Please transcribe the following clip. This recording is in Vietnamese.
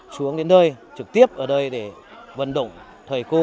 sống đến đây trực tiếp ở đây để vận động thầy cô